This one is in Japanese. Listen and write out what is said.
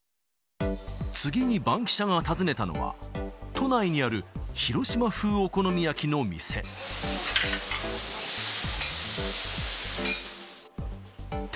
次にバンキシャが訪ねたのは、都内にある広島風お好み焼きの店。